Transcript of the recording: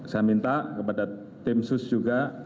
saya minta kepada tim sus juga